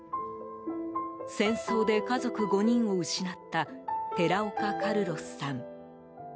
戦争で家族５人を失った寺岡カルロスさん。